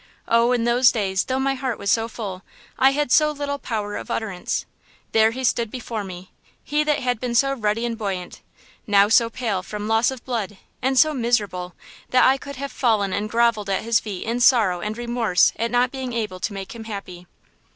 Oh, in those days, though my heart was so full, I had so little power of utterance! There he stood before me! he that had been so ruddy and buoyant, now so pale from loss of blood, and so miserable, that I could have fallen and groveled at his feet in sorrow and remorse at not being able to make him happy!"